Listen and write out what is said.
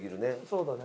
そうだね。